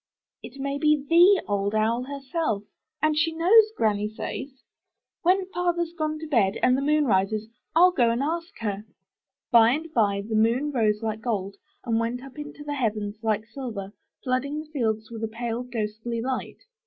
"It may be the Old Owl herself, and she knows, Granny says. When father's gone 26 UP ONE PAIR OF STAIRS to bed and the moon rises, Fll go and ask her/' By and by the moon rose like gold and went up into the heavens like silver, flooding the fields with a pale, ghostly light.